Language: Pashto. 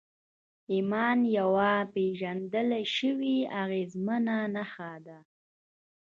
ایمان یوه پېژندل شوې او اغېزمنه نسخه ده